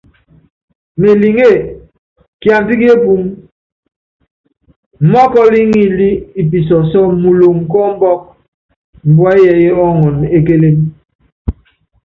Meliŋé, kiandá ki epúúmí, mɔ́kɔl ŋilí i pisɔsɔ́ muloŋ kɔ ɔmbɔk, mbua yɛɛyɛ́ ɔɔŋɔn e kélém.